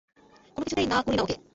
কোনোকিছুতেই না করি না ওকে।